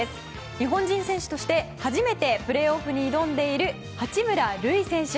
日本人選手として初めてプレーオフに挑んでいる八村塁選手。